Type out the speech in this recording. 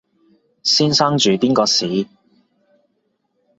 先生住邊個巿？